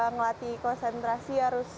ngelatih konsentrasi harus